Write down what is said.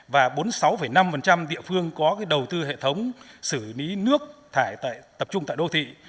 và bốn mươi sáu năm địa phương có đầu tư hệ thống xử lý nước thải tập trung tại đô thị